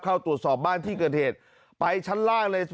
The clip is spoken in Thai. เข้าตรวจสอบบ้านที่เกิดเหตุไปชั้นล่างเลย